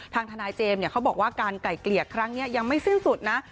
ทางทนายเจมส์เขาบอกว่าการไก่เกลี่ยครั้งนี้ยังไม่สิ้นสุดนะ